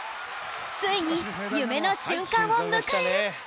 ついに夢の瞬間を迎える